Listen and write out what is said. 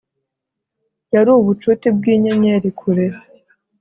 yari ubucuti bwinyenyeri kure